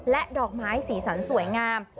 ดอกไม้สีสันสวยงาม